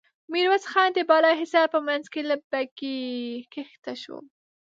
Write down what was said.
ميرويس خان د بالا حصار په مينځ کې له بګۍ کښته شو.